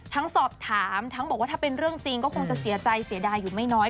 สอบถามทั้งบอกว่าถ้าเป็นเรื่องจริงก็คงจะเสียใจเสียดายอยู่ไม่น้อย